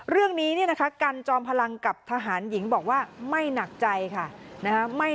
เรื่องนี้การจอมพลังกับทหารหญิงบอกว่าไม่หนักใจค่ะ